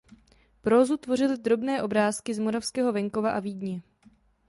Prózu tvořily drobné obrázky z moravského venkova a Vídně.